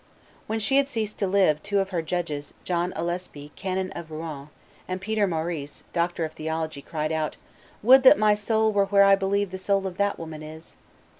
When she had ceased to live, two of her judges, John Alespie, canon of Rouen, and Peter Maurice, doctor of theology, cried out, "Would that my soul were where I believe the soul of that woman is!"